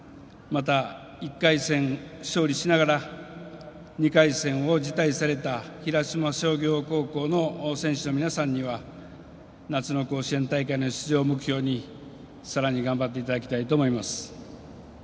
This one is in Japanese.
また、１回戦勝利しながら２回戦を辞退された広島商業高校の選手の皆さんには夏の甲子園大会の出場を目標にさらに頑張っていただきたいと思います。